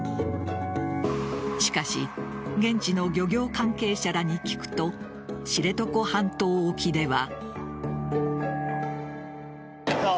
しかし現地の漁業関係者らに聞くと知床半島沖では。